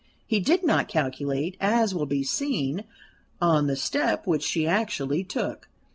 He did not calculate, as will be seen, on the step which she actually took.